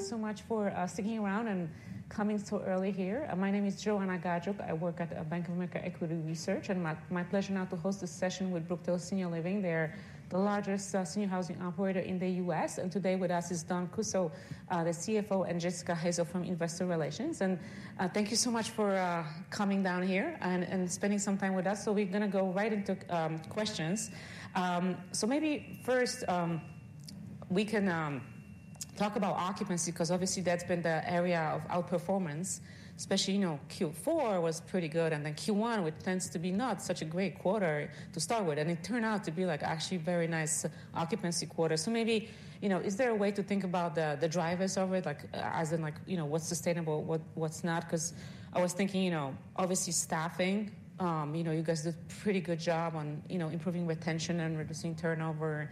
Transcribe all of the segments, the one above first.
Thanks so much for sticking around and coming so early here. My name is Joanna Gajuk. I work at Bank of America Equity Research, and my pleasure now to host this session with Brookdale Senior Living. They're the largest senior housing operator in the U.S., and today with us is Dawn Kussow, the CFO, and Jessica Hansen from Investor Relations. And thank you so much for coming down here and spending some time with us. So we're gonna go right into questions. So maybe first, we can talk about occupancy, 'cause obviously that's been the area of outperformance, especially, you know, Q4 was pretty good, and then Q1, which tends to be not such a great quarter to start with, and it turned out to be, like, actually a very nice occupancy quarter. So maybe, you know, is there a way to think about the drivers of it? Like, as in, like, you know, what's sustainable, what's not? 'Cause I was thinking, you know, obviously staffing, you know, you guys did a pretty good job on, you know, improving retention and reducing turnover.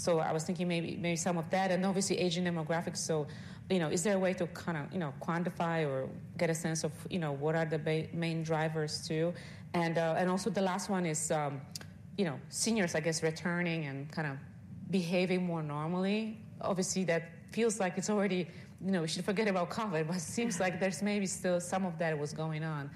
So I was thinking maybe some of that, and obviously aging demographics. So, you know, is there a way to kind of, you know, quantify or get a sense of, you know, what are the main drivers, too? And, also the last one is, you know, seniors, I guess, returning and kind of behaving more normally. Obviously, that feels like it's already... You know, we should forget about COVID, but it seems like there's maybe still some of that was going on,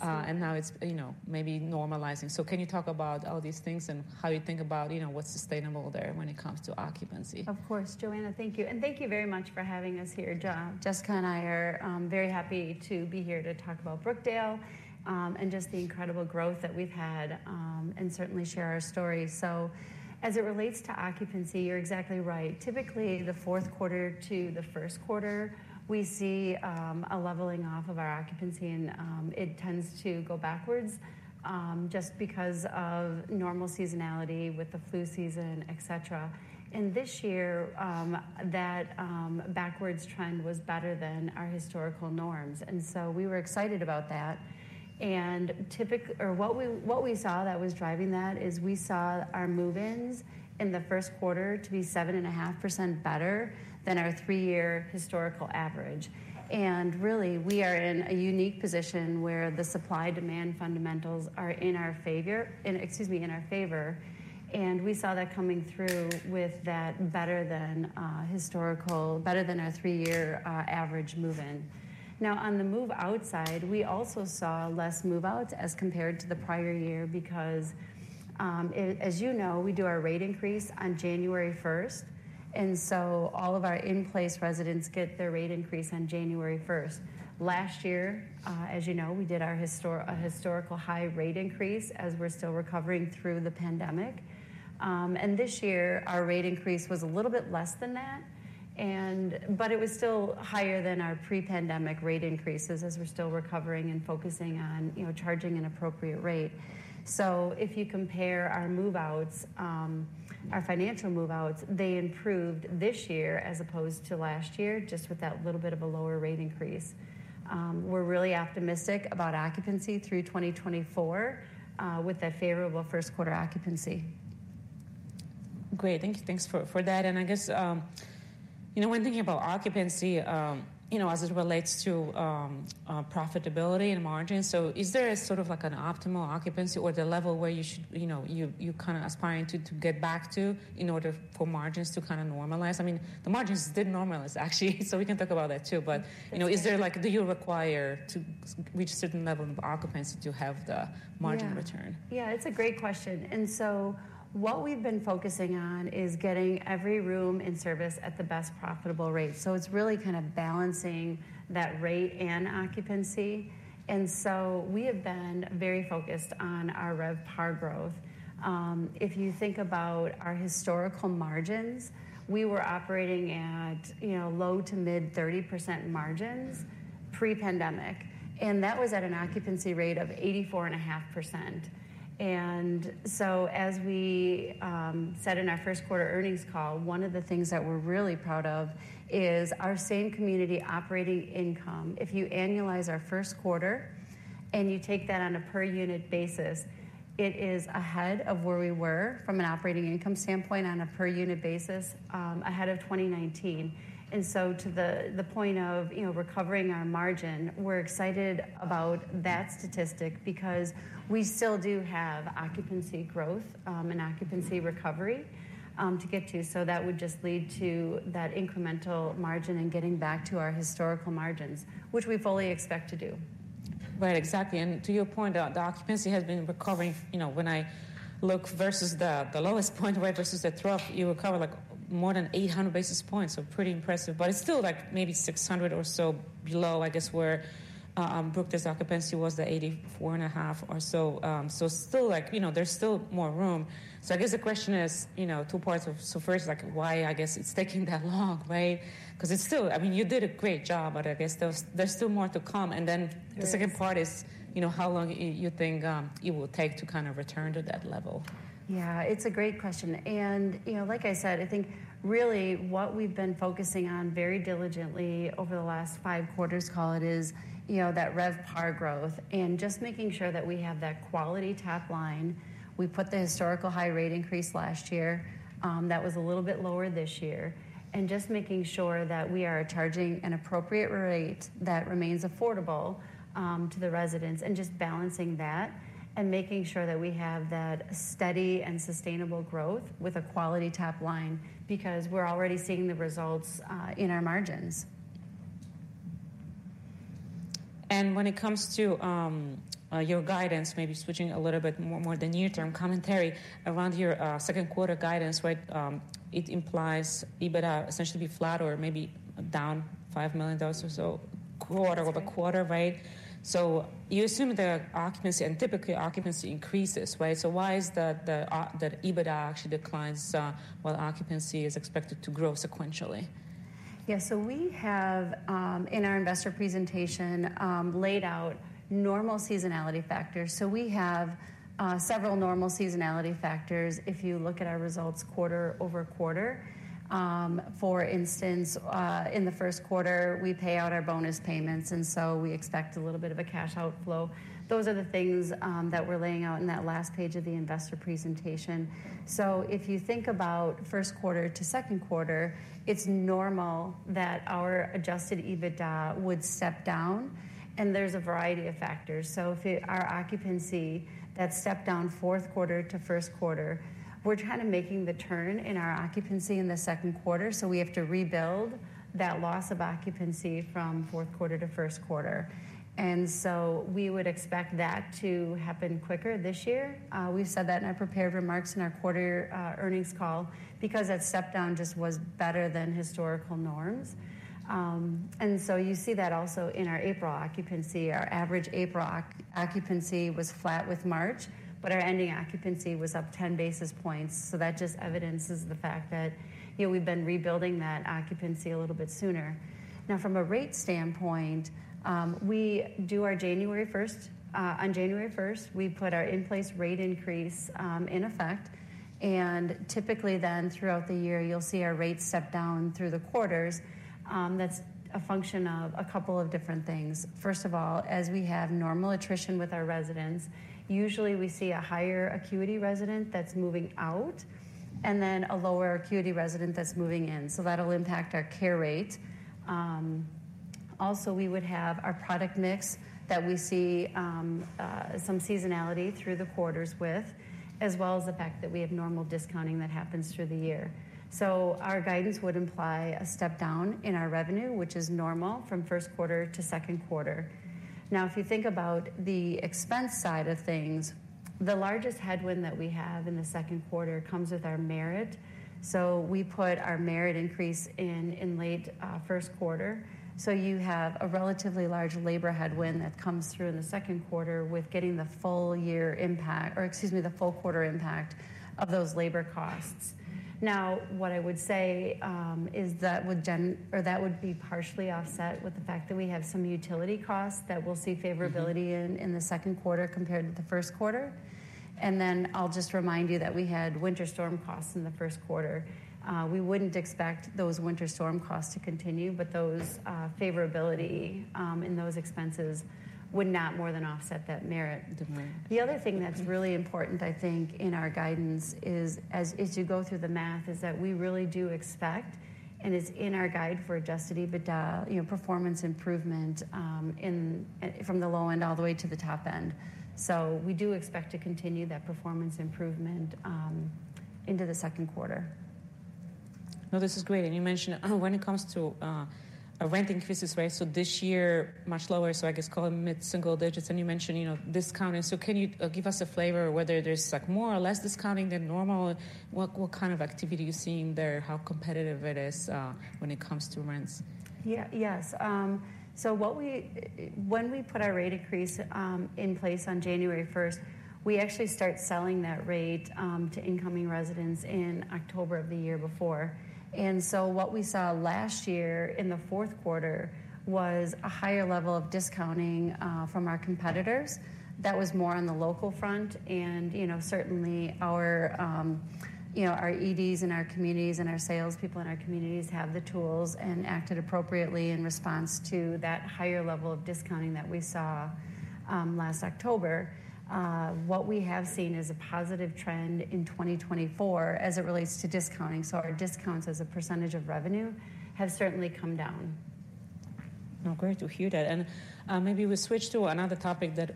and now it's, you know, maybe normalizing. Can you talk about all these things and how you think about, you know, what's sustainable there when it comes to occupancy? Of course, Joanna. Thank you, and thank you very much for having us here. Jessica and I are very happy to be here to talk about Brookdale, and just the incredible growth that we've had, and certainly share our story. So as it relates to occupancy, you're exactly right. Typically, the Fourth Quarter to the First Quarter, we see a leveling off of our occupancy, and it tends to go backwards, just because of normal seasonality with the flu season, et cetera. And this year, that backwards trend was better than our historical norms, and so we were excited about that. Or what we saw that was driving that is, we saw our move-ins in the First Quarter to be 7.5% better than our three-year historical average. Really, we are in a unique position where the supply-demand fundamentals are in our favor, excuse me, in our favor, and we saw that coming through with that better than historical, better than our three-year average move-in. Now, on the move-out side, we also saw less move-outs as compared to the prior year because as you know, we do our Rate Increase on January 1st, and so all of our in-place residents get their Rate Increase on January 1st. Last year, as you know, we did our historical high Rate Increase as we're still recovering through the Pandemic. And this year, our Rate Increase was a little bit less than that, but it was still higher than our pre-Pandemic Rate Increases, as we're still recovering and focusing on, you know, charging an appropriate rate. If you compare our move-outs, our financial move-outs, they improved this year as opposed to last year, just with that little bit of a lower Rate Increase. We're really optimistic about occupancy through 2024, with a favorable First Quarter occupancy. Great. Thank you. Thanks for that. And I guess, you know, when thinking about occupancy, you know, as it relates to, profitability and margins, so is there a sort of like an optimal occupancy or the level where you know, you're kind of aspiring to get back to in order for margins to kind of normalize? I mean, the margins did normalize, actually, so we can talk about that too. But, you know, is there, like, do you require to reach a certain level of occupancy to have the- Yeah... margin return? Yeah, it's a great question. And so what we've been focusing on is getting every room in service at the best profitable rate. So it's really kind of balancing that rate and occupancy. And so we have been very focused on our RevPAR growth. If you think about our historical margins, we were operating at, you know, low- to mid-30% margins pre-Pandemic, and that was at an occupancy rate of 84.5%. And so as we said in our First Quarter Earnings Call, one of the things that we're really proud of is our same community operating income. If you annualize our First Quarter, and you take that on a per-unit basis, it is ahead of where we were from an operating income standpoint on a per-unit basis, ahead of 2019. And so to the point of, you know, recovering our margin, we're excited about that statistic because we still do have occupancy growth, and occupancy recovery, to get to. So that would just lead to that incremental margin and getting back to our historical margins, which we fully expect to do. Right, exactly. And to your point, the occupancy has been recovering. You know, when I look versus the lowest point, right, versus the trough, you recover like more than 800 basis points. So pretty impressive, but it's still like maybe 600 or so below, I guess, where Brookdale's occupancy was, the 84.5 or so. So still, like, you know, there's still more room. So I guess the question is, you know, two parts of... So first, like, why I guess it's taking that long, right? 'Cause it's still, I mean, you did a great job, but I guess there's still more to come. Yes. And then the second part is, you know, how long you think it will take to kind of return to that level? Yeah, it's a great question. And, you know, like I said, I think really what we've been focusing on very diligently over the last five quarters call it is, you know, that RevPAR growth and just making sure that we have that quality top line. We put the historical high Rate Increase last year, that was a little bit lower this year, and just making sure that we are charging an appropriate rate that remains affordable, to the residents, and just balancing that, and making sure that we have that steady and sustainable growth with a quality top line, because we're already seeing the results in our margins.... When it comes to your guidance, maybe switching a little bit more to the near-term commentary around your second quarter guidance, right? It implies EBITDA essentially be flat or maybe down $5 million or so, quarter-over-quarter, right? So you assume the occupancy, and typically occupancy increases, right? So why is that EBITDA actually declines while occupancy is expected to grow sequentially? Yeah, so we have in our investor presentation laid out normal seasonality factors. So we have several normal seasonality factors if you look at our results quarter-over-quarter. For instance, in the First Quarter, we pay out our bonus payments, and so we expect a little bit of a cash outflow. Those are the things that we're laying out in that last page of the investor presentation. So if you think about First Quarter to Second Quarter, it's normal that our Adjusted EBITDA would step down, and there's a variety of factors. So our occupancy that step down fourth quarter to first quarter, we're kind of making the turn in our occupancy in the Second Quarter, so we have to rebuild that loss of occupancy from Fourth Quarter to First Quarter. And so we would expect that to happen quicker this year. We've said that in our prepared remarks in our quarter Earnings Call, because that step down just was better than historical norms. And so you see that also in our April occupancy. Our average April occupancy was flat with March, but our ending occupancy was up 10 basis points. So that just evidences the fact that, you know, we've been rebuilding that occupancy a little bit sooner. Now, from a rate standpoint, we do our January 1st. On January 1st, we put our in-place Rate Increase, in effect, and typically then, throughout the year, you'll see our rates step down through the quarters. That's a function of a couple of different things. First of all, as we have normal attrition with our residents, usually we see a higher acuity resident that's moving out, and then a lower acuity resident that's moving in, so that'll impact our care rate. Also, we would have our product mix that we see, some seasonality through the quarters with, as well as the fact that we have normal discounting that happens through the year. So our guidance would imply a step down in our revenue, which is normal, from First Quarter to Second Quarter. Now, if you think about the expense side of things, the largest headwind that we have in the Second Quarter comes with our merit. So we put our merit increase in in late, First Quarter. So you have a relatively large labor headwind that comes through in the Second Quarter with getting the full year impact, or excuse me, the full quarter impact of those labor costs. Now, what I would say, is that would be partially offset with the fact that we have some utility costs that we'll see favorability in, in the Second Quarter compared to the First Quarter. And then I'll just remind you that we had winter storm costs in the First Quarter. We wouldn't expect those winter storm costs to continue, but those, favorability, and those expenses would not more than offset that merit. Mm-hmm. The other thing that's really important, I think, in our guidance is, as you go through the math, is that we really do expect, and it's in our guide for Adjusted EBITDA, you know, performance improvement, in from the low end all the way to the top end. So we do expect to continue that performance improvement into the Second Quarter. No, this is great. And you mentioned when it comes to rent increases, right? So this year, much lower, so I guess call it mid-single digits, and you mentioned, you know, discounting. So can you give us a flavor whether there's, like, more or less discounting than normal? What kind of activity are you seeing there? How competitive it is when it comes to rents? Yeah. Yes, so when we put our Rate Increase in place on January 1st, we actually start selling that rate to incoming residents in October of the year before. And so what we saw last year in the Fourth Quarter was a higher level of discounting from our competitors. That was more on the local front, and, you know, certainly our, you know, our EDs in our communities and our salespeople in our communities have the tools and acted appropriately in response to that higher level of discounting that we saw last October. What we have seen is a positive trend in 2024 as it relates to discounting, so our discounts as a percentage of revenue have certainly come down. Oh, great to hear that. And, maybe we switch to another topic that,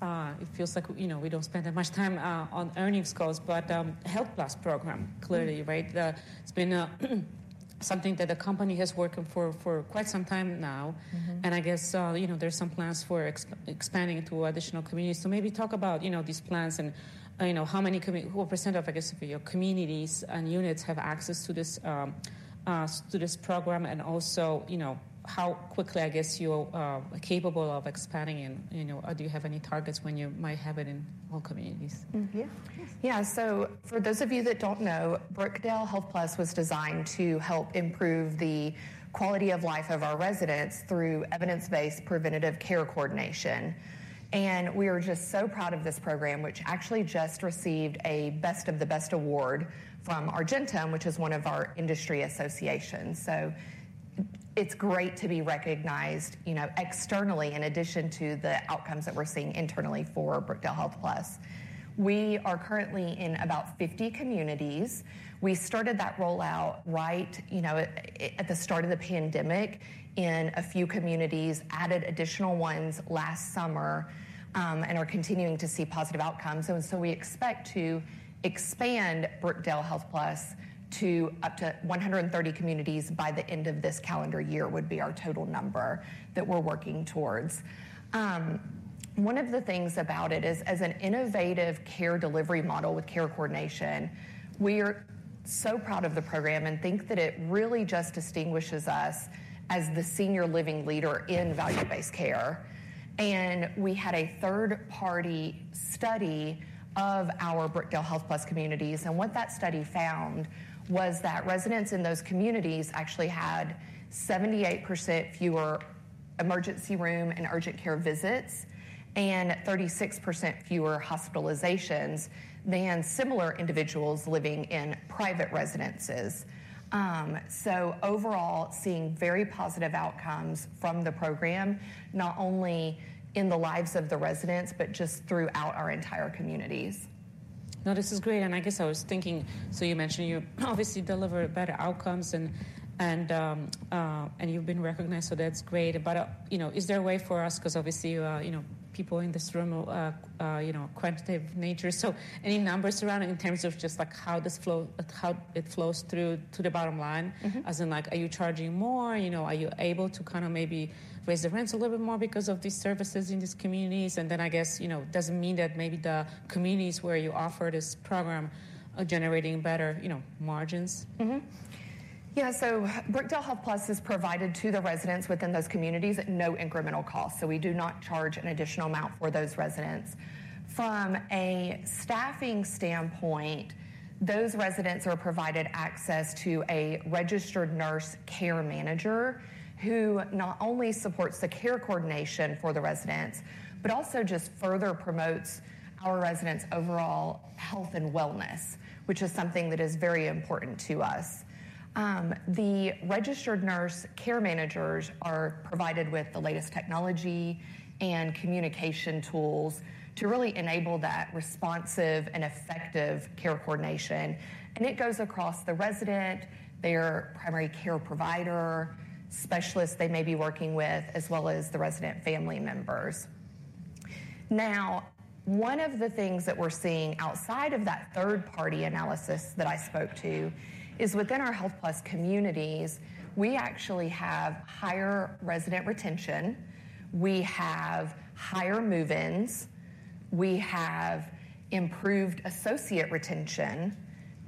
it feels like, you know, we don't spend that much time, on Earnings Calls, but, HealthPlus program, clearly, right? Mm-hmm. It's been something that the company has working for quite some time now. Mm-hmm. I guess, you know, there's some plans for expanding it to additional communities. Maybe talk about, you know, these plans and, you know, what percent of, I guess, of your communities and units have access to this, to this program, and also, you know, how quickly, I guess, you're capable of expanding it? You know, do you have any targets when you might have it in all communities? Mm-hmm. Yeah. Yes. Yeah, so for those of you that don't know, Brookdale HealthPlus was designed to help improve the quality of life of our residents through evidence-based preventative care coordination. And we are just so proud of this program, which actually just received a Best of the Best award from Argentum, which is one of our industry associations. So it's great to be recognized, you know, externally, in addition to the outcomes that we're seeing internally for Brookdale HealthPlus. We are currently in about 50 communities. We started that rollout right, you know, at the start of the Pandemic in a few communities, added additional ones last summer, and are continuing to see positive outcomes. And so we expect to expand Brookdale HealthPlus to up to 130 communities by the end of this calendar year, would be our total number that we're working towards. One of the things about it is, as an innovative care delivery model with care coordination, we are so proud of the program and think that it really just distinguishes us as the senior living leader in value-based care. We had a third-party study of our Brookdale HealthPlus communities, and what that study found was that residents in those communities actually had 78% fewer emergency room and urgent care visits, and 36% fewer hospitalizations than similar individuals living in private residences. So overall, seeing very positive outcomes from the program, not only in the lives of the residents, but just throughout our entire communities. No, this is great, and I guess I was thinking, so you mentioned you obviously deliver better outcomes, and you've been recognized, so that's great. But, you know, is there a way for us, 'cause obviously, you know, people in this room are, you know, quantitative nature. So any numbers around it in terms of just like how this flow, how it flows through to the bottom line? Mm-hmm. As in, like, are you charging more? You know, are you able to kind of maybe raise the rents a little bit more because of these services in these communities? And then I guess, you know, does it mean that maybe the communities where you offer this program are generating better, you know, margins? Mm-hmm. Yeah, so Brookdale HealthPlus is provided to the residents within those communities at no incremental cost, so we do not charge an additional amount for those residents. From a staffing standpoint, those residents are provided access to a registered nurse care manager, who not only supports the care coordination for the residents, but also just further promotes our residents' overall health and wellness, which is something that is very important to us. The registered nurse care managers are provided with the latest technology and communication tools to really enable that responsive and effective care coordination, and it goes across the resident, their primary care provider, specialists they may be working with, as well as the resident family members. Now, one of the things that we're seeing outside of that third-party analysis that I spoke to is within our HealthPlus communities, we actually have higher resident retention, we have higher move-ins, we have improved associate retention,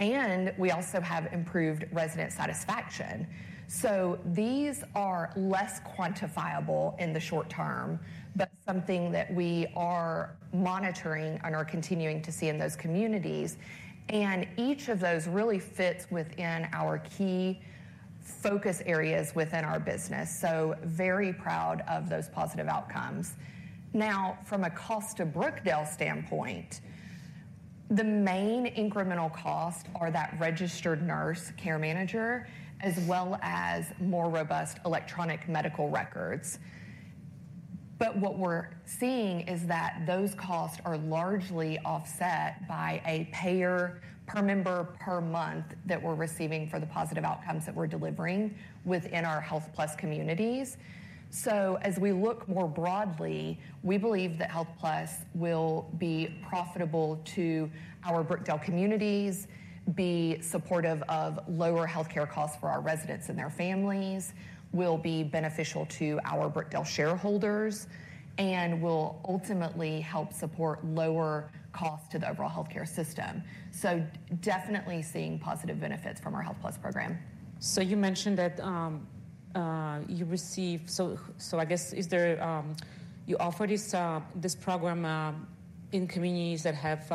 and we also have improved resident satisfaction. So these are less quantifiable in the short term, but something that we are monitoring and are continuing to see in those communities, and each of those really fits within our key focus areas within our business. So very proud of those positive outcomes. Now, from a cost to Brookdale standpoint, the main incremental costs are that registered nurse care manager, as well as more robust electronic medical records. But what we're seeing is that those costs are largely offset by a payer per member, per month, that we're receiving for the positive outcomes that we're delivering within our HealthPlus communities. So as we look more broadly, we believe that HealthPlus will be profitable to our Brookdale communities, be supportive of lower healthcare costs for our residents and their families, will be beneficial to our Brookdale shareholders, and will ultimately help support lower costs to the overall healthcare system. So definitely seeing positive benefits from our HealthPlus program. So you mentioned that. So, so I guess, is there you offer this this program in communities that have,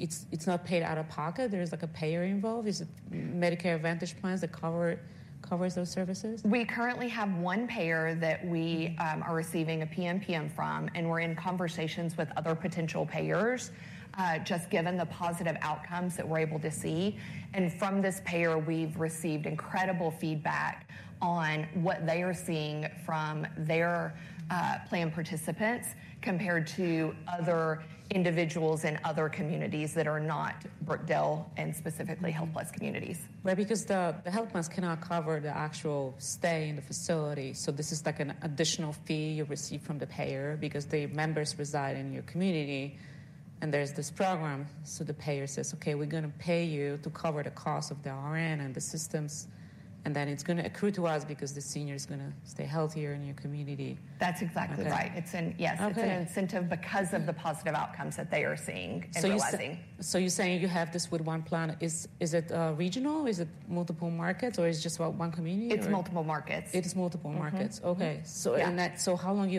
it's, it's not paid out of pocket, there's, like, a payer involved. Is it Medicare Advantage plans that cover, covers those services? We currently have one payer that we are receiving a PMPM from, and we're in conversations with other potential payers just given the positive outcomes that we're able to see. From this payer, we've received incredible feedback on what they are seeing from their plan participants, compared to other individuals in other communities that are not Brookdale and specifically HealthPlus communities. Right, because the HealthPlus cannot cover the actual stay in the facility, so this is, like, an additional fee you receive from the payer because the members reside in your community, and there's this program. So the payer says, "Okay, we're gonna pay you to cover the cost of the RN and the systems, and then it's gonna accrue to us because the senior is gonna stay healthier in your community. That's exactly right. Okay. It's an... Yes. Okay. It's an incentive because of the positive outcomes that they are seeing and realizing. So you're saying you have this with one plan. Is it regional? Is it multiple markets, or is it just about one community or- It's multiple markets. It is multiple markets. Mm-hmm. Mm-hmm. Okay. Yeah. So how long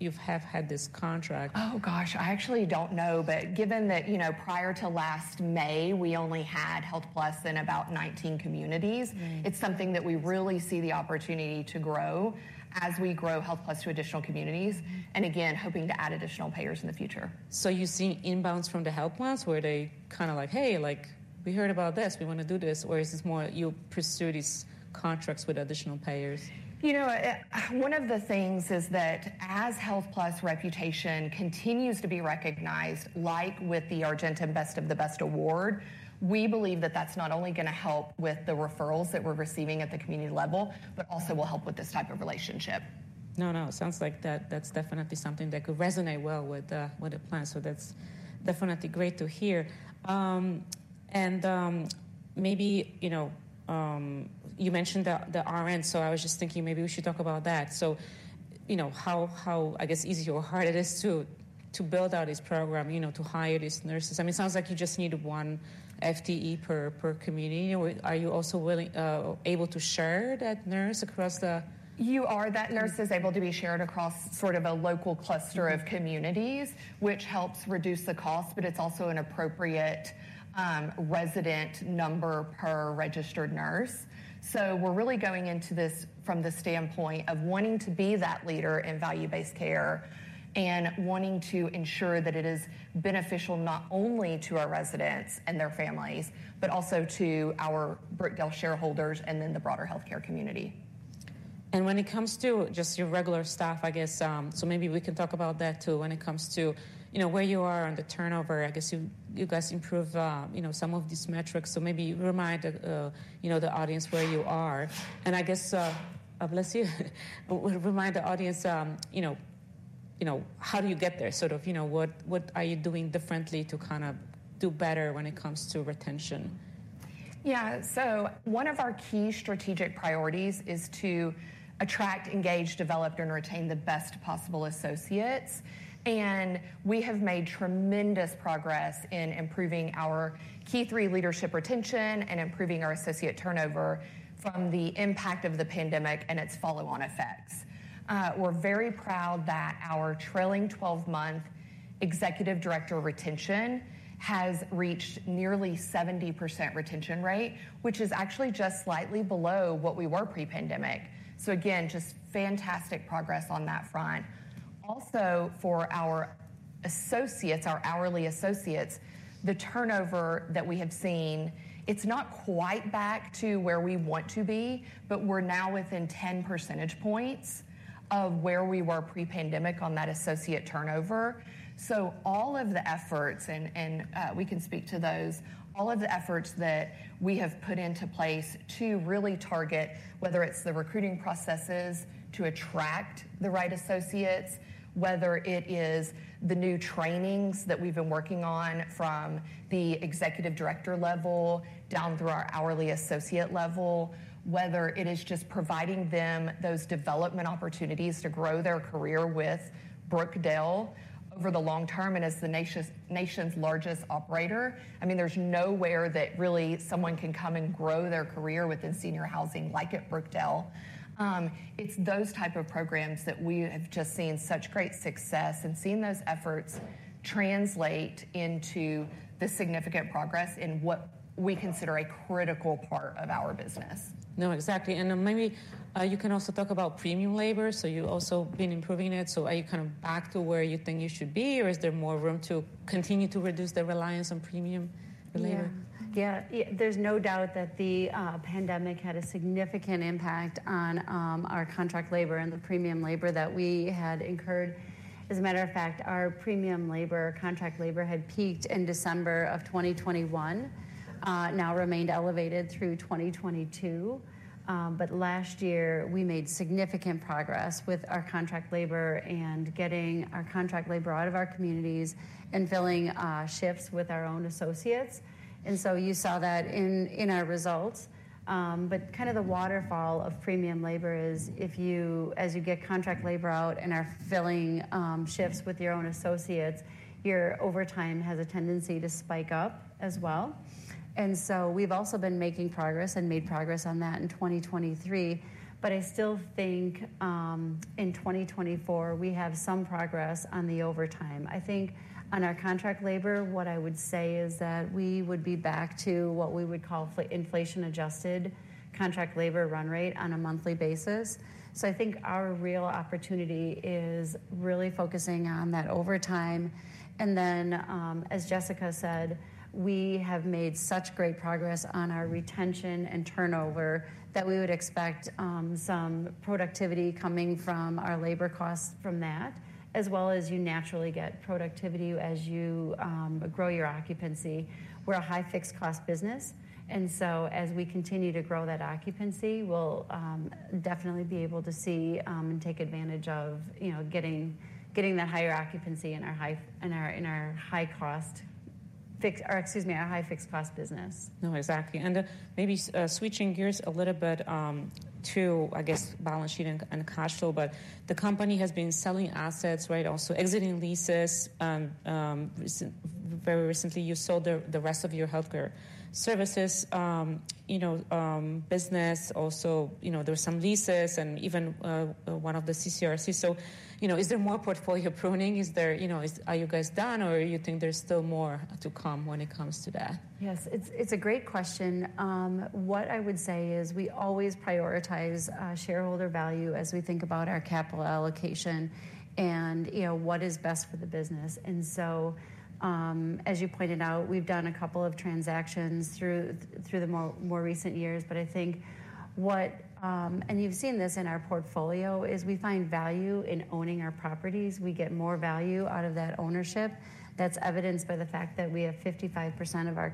you've had this contract? Oh, gosh, I actually don't know. But given that, you know, prior to last May, we only had HealthPlus in about 19 communities- Mm. It's something that we really see the opportunity to grow as we grow HealthPlus to additional communities, and again, hoping to add additional payers in the future. So you're seeing inbounds from the HealthPlus, where they kind of like, "Hey, like, we heard about this. We wanna do this," or is this more you pursue these contracts with additional payers? You know, one of the things is that as HealthPlus's reputation continues to be recognized, like with the Argentum Best of the Best award, we believe that that's not only gonna help with the referrals that we're receiving at the community level, but also will help with this type of relationship. No, no, it sounds like that, that's definitely something that could resonate well with the, with the plan, so that's definitely great to hear. Maybe, you know, you mentioned the RN, so I was just thinking maybe we should talk about that. So, you know, how, I guess, easy or hard it is to build out this program, you know, to hire these nurses. I mean, it sounds like you just need one FTE per community. Are you also willing, able to share that nurse across the- You are. That nurse is able to be shared across sort of a local cluster of communities, which helps reduce the cost, but it's also an appropriate resident number per registered nurse. So we're really going into this from the standpoint of wanting to be that leader in value-based care, and wanting to ensure that it is beneficial not only to our residents and their families, but also to our Brookdale shareholders and then the broader healthcare community. And when it comes to just your regular staff, I guess, so maybe we can talk about that, too. When it comes to, you know, where you are on the turnover, I guess you guys improve, you know, some of these metrics. So maybe remind the, you know, the audience where you are. And I guess, bless you. Remind the audience, you know, how do you get there? Sort of, you know, what are you doing differently to kind of do better when it comes to retention? Yeah. So one of our key strategic priorities is to attract, engage, develop, and retain the best possible associates, and we have made tremendous progress in improving our key three leadership retention and improving our associate turnover from the impact of the Pandemic and its follow-on effects. We're very proud that our trailing twelve-month executive director retention has reached nearly 70% retention rate, which is actually just slightly below what we were pre-Pandemic. So again, just fantastic progress on that front. Also, for our associates, our hourly associates, the turnover that we have seen, it's not quite back to where we want to be, but we're now within 10 percentage points of where we were pre-Pandemic on that associate turnover. So all of the efforts that we have put into place to really target, whether it's the recruiting processes to attract the right associates, whether it is the new trainings that we've been working on from the executive director level down through our hourly associate level, whether it is just providing them those development opportunities to grow their career with Brookdale over the long term and as the nation's largest operator. I mean, there's nowhere that really someone can come and grow their career within senior housing like at Brookdale. It's those type of programs that we have just seen such great success and seen those efforts translate into the significant progress in what we consider a critical part of our business. No, exactly. And then maybe, you can also talk about premium labor. So you've also been improving it, so are you kind of back to where you think you should be, or is there more room to continue to reduce the reliance on premium labor? Yeah. Yeah, there's no doubt that the Pandemic had a significant impact on our contract labor and the premium labor that we had incurred. As a matter of fact, our premium labor, contract labor, had peaked in December of 2021, now remained elevated through 2022. But last year, we made significant progress with our contract labor and getting our contract labor out of our communities and filling shifts with our own associates. And so you saw that in our results. But kind of the waterfall of premium labor is as you get contract labor out and are filling shifts with your own associates, your overtime has a tendency to spike up as well. And so we've also been making progress and made progress on that in 2023. But I still think, in 2024, we have some progress on the overtime. I think on our contract labor, what I would say is that we would be back to what we would call inflation-adjusted contract labor run rate on a monthly basis. So I think our real opportunity is really focusing on that overtime. And then, as Jessica said, we have made such great progress on our retention and turnover, that we would expect, some productivity coming from our labor costs from that, as well as you naturally get productivity as you, grow your occupancy. We're a high-fixed cost business, and so as we continue to grow that occupancy, we'll, definitely be able to see, and take advantage of, you know, getting, getting that higher occupancy in our high-cost fixed... Or excuse me, our high fixed cost business. No, exactly. And maybe switching gears a little bit to, I guess, balance sheet and cash flow, but the company has been selling assets, right? Also exiting leases. Very recently, you sold the rest of your healthcare services, you know, business. Also, you know, there were some leases and even one of the CCRCs. So, you know, is there more portfolio pruning? Is there... You know, are you guys done, or you think there's still more to come when it comes to that? Yes, it's a great question. What I would say is we always prioritize shareholder value as we think about our capital allocation and, you know, what is best for the business. And so, as you pointed out, we've done a couple of transactions through the more recent years. But I think what, and you've seen this in our portfolio, is we find value in owning our properties. We get more value out of that ownership. That's evidenced by the fact that we have 55% of our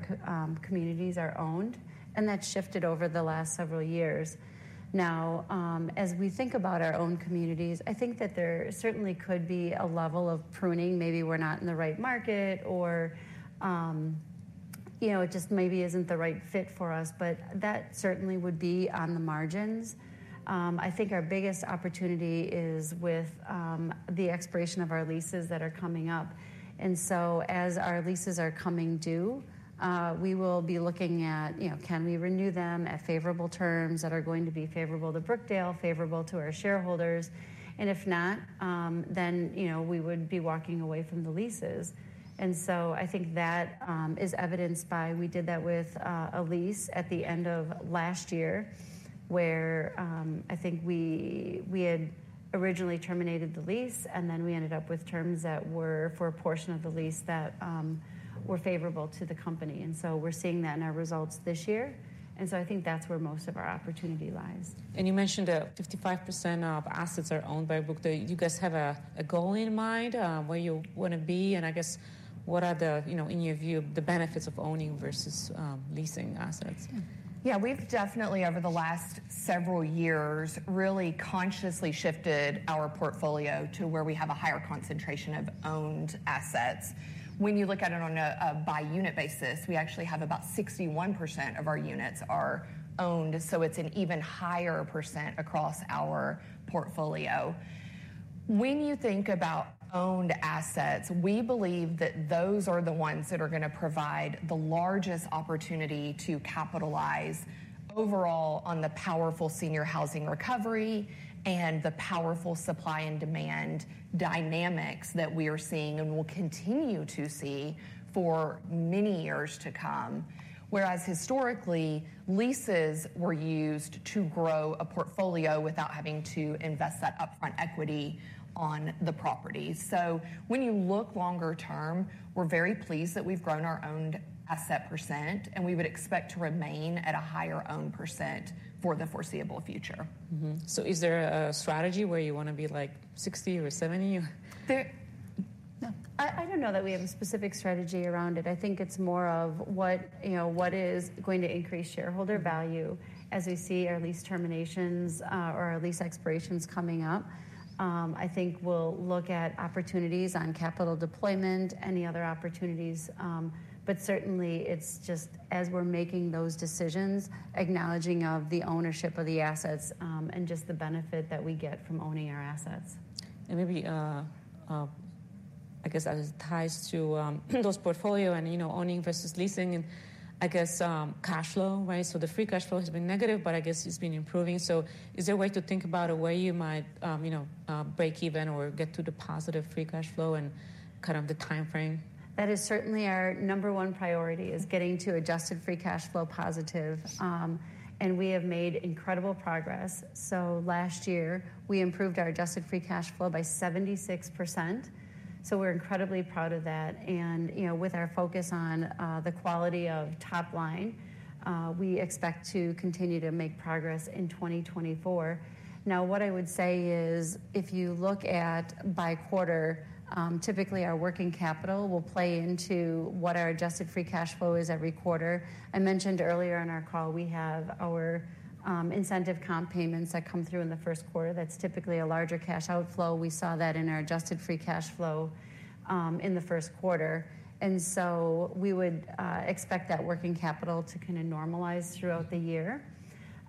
communities are owned, and that's shifted over the last several years. Now, as we think about our own communities, I think that there certainly could be a level of pruning. Maybe we're not in the right market or... You know, it just maybe isn't the right fit for us, but that certainly would be on the margins. I think our biggest opportunity is with the expiration of our leases that are coming up. And so as our leases are coming due, we will be looking at, you know, can we renew them at favorable terms that are going to be favorable to Brookdale, favorable to our shareholders? And if not, then, you know, we would be walking away from the leases. And so I think that is evidenced by, we did that with a lease at the end of last year, where, I think we had originally terminated the lease, and then we ended up with terms that were for a portion of the lease that were favorable to the company. And so we're seeing that in our results this year, and so I think that's where most of our opportunity lies. You mentioned that 55% of assets are owned by Brookdale. Do you guys have a goal in mind on where you wanna be? I guess, what are the, you know, in your view, the benefits of owning versus leasing assets? Yeah, we've definitely, over the last several years, really consciously shifted our portfolio to where we have a higher concentration of owned assets. When you look at it on a by-unit basis, we actually have about 61% of our units are owned, so it's an even higher percent across our portfolio. When you think about owned assets, we believe that those are the ones that are gonna provide the largest opportunity to capitalize overall on the powerful senior housing recovery and the powerful supply and demand dynamics that we are seeing and will continue to see for many years to come. Whereas historically, leases were used to grow a portfolio without having to invest that upfront equity on the property. So when you look longer term, we're very pleased that we've grown our owned asset percent, and we would expect to remain at a higher owned percent for the foreseeable future. Mm-hmm. Is there a strategy where you wanna be, like, 60 or 70? I don't know that we have a specific strategy around it. I think it's more of what, you know, what is going to increase shareholder value as we see our lease terminations, or our lease expirations coming up. I think we'll look at opportunities on capital deployment, any other opportunities. But certainly, it's just as we're making those decisions, acknowledging of the ownership of the assets, and just the benefit that we get from owning our assets. And maybe, I guess as it ties to those portfolio and, you know, owning versus leasing and I guess, you know, break even or get to the positive free cash flow and kind of the timeframe? That is certainly our number one priority, is getting to Adjusted Free Cash Flow positive. And we have made incredible progress. So last year, we improved our Adjusted Free Cash Flow by 76%, so we're incredibly proud of that. And, you know, with our focus on, the quality of top line, we expect to continue to make progress in 2024. Now, what I would say is, if you look at by quarter, typically our working capital will play into what our Adjusted Free Cash Flow is every quarter. I mentioned earlier in our call, we have our, incentive comp payments that come through in the First Quarter. That's typically a larger cash outflow. We saw that in our Adjusted Free Cash Flow, in the first quarter. And so we would, expect that working capital to kind of normalize throughout the year.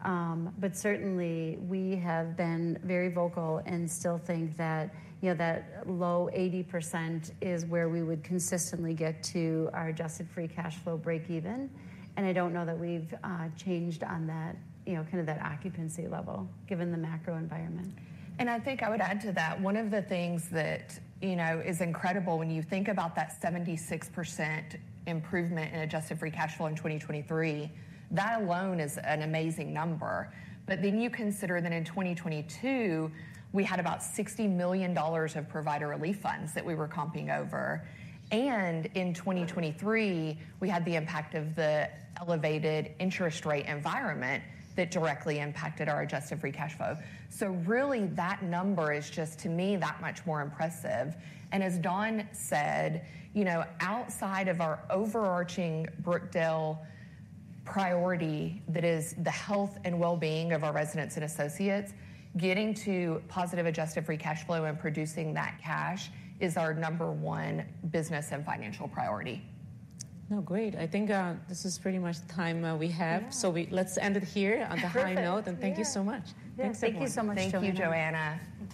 But certainly, we have been very vocal and still think that, you know, that low 80% is where we would consistently get to our Adjusted Free Cash Flow breakeven, and I don't know that we've changed on that, you know, kind of that occupancy level, given the macro environment. I think I would add to that, one of the things that, you know, is incredible when you think about that 76% improvement in Adjusted Free Cash Flow in 2023, that alone is an amazing number. But then you consider that in 2022, we had about $60 million of Provider Relief Funds that we were comping over, and in 2023, we had the impact of the elevated interest rate environment that directly impacted our Adjusted Free Cash Flow. So really, that number is just, to me, that much more impressive. And as Dawn said, you know, outside of our overarching Brookdale priority, that is the health and well-being of our residents and associates, getting to positive Adjusted Free Cash Flow and producing that cash is our number one business and financial priority. Oh, great. I think this is pretty much the time we have. Yeah. Let's end it here. Perfect... on a high note, and thank you so much. Yeah. Thanks everyone. Thank you so much, Joanna. Thank you, Joanna. Thank you.